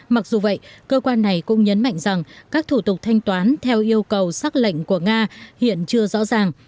mặc dù vậy cơ quan này cũng nhấn mạnh rằng các thủ tục thanh toán theo yêu cầu xác lệnh của nga hiện chưa rõ ràng